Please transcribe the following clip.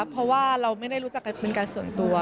เพราะว่าเราไม่ได้รู้จักกันเป็นการส่วนตัว